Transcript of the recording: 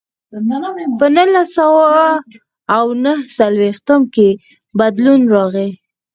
په نولس سوه او نهه څلوېښتم کې بدلون راغی.